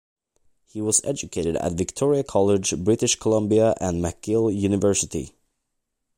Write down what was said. He was educated at Victoria College, British Columbia and McGill University.